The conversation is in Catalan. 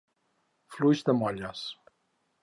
Fluix de molles.